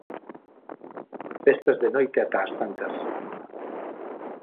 Festas de noite ata as tantas.